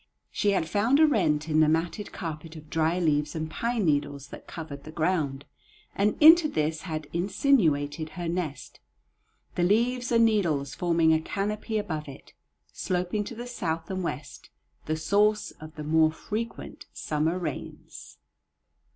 She had found a rent in the matted carpet of dry leaves and pine needles that covered the ground, and into this had insinuated her nest, the leaves and needles forming a canopy above it, sloping to the south and west, the source of the more frequent summer rains.